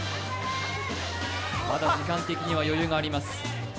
まだ時間的には余裕があります。